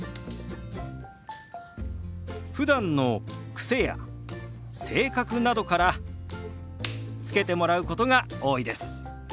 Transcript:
ふだんの癖や性格などから付けてもらうことが多いです。